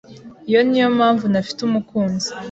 Iyi niyo mpamvu ntafite umukunzi.